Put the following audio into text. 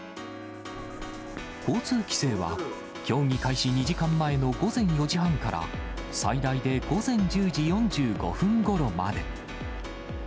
交通規制は、競技開始２時間前の午前４時半から、最大で午前１０時４５分ごろまで。